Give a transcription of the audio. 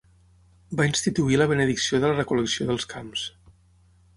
Va instituir la benedicció de la recol·lecció dels camps.